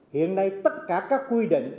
hiện nay tất cả các quy định